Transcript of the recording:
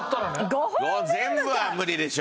５本全部は無理でしょ。